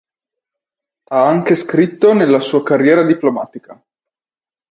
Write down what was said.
Ha anche scritto della sua carriera diplomatica.